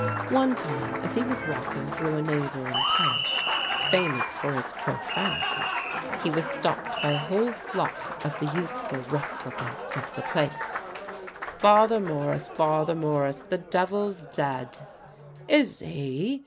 One time, as he was walking through a neighboring parish, famous for its profanity, he was stopped by a whole flock of the youthful reprobates of the place: "Father Morris, Father Morris! the devil's dead!" "Is he?"